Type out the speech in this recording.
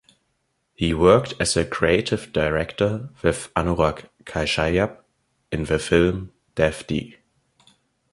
He worked as creative director with Anurag Kashyap in the film "Dev D".